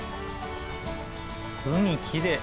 海きれい。